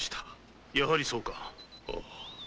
やはりそうか。